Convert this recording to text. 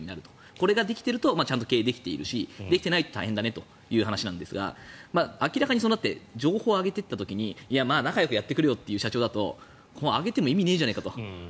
これができていると経営できているしできてないと大変という話なんですが明らかに情報を上げていった時に仲よくやってくれよという社長だと上げても意味ねえじゃねえかと。